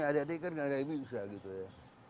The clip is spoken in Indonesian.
ada tiket gak ada yang bisa gitu ya